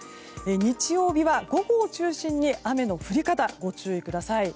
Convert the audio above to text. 日曜日は午後を中心に雨の降り方にご注意ください。